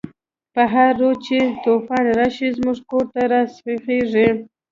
په هر رود چی توفان راشی، زموږ کور ته راسيخيږی